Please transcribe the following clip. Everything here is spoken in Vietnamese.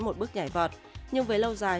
một bước nhảy vợt nhưng với lâu dài